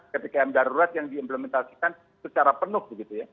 ketika yang darurat yang diimplementasikan secara penuh begitu ya